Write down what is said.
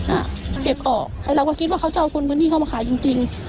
เก็บออกเราก็คิดว่าเขาจะเอาคนพื้นที่เข้ามาขายจริงจริง